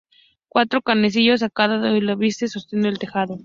Cuatro canecillos a cada lado del ábside sostienen el tejado.